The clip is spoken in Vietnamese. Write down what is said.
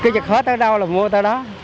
cứ như hết tới đâu là mua tới đó